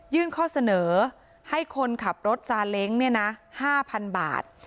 ข้อเสนอให้คนขับรถซาเล้ง๕๐๐๐บาท